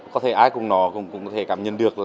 có thể ai cũng có thể cảm nhận được